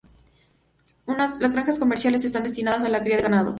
Las granjas comerciales están destinadas a la cría de ganado.